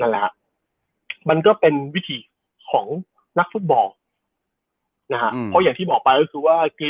นั่นแหละมันก็เป็นวิธีของนักฟุตบอลนะฮะอืมเพราะอย่างที่บอกไปก็คือว่า